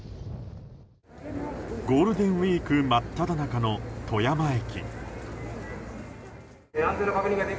ゴールデンウィーク真っただ中の富山駅。